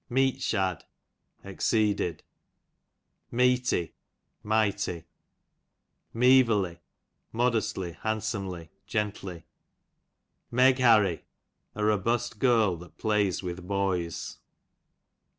Meet shad, exceeded. Meety, mighty, Meeverly, modestly, hand' somely^ gently. Meg harry, a robust girl that plays with boys.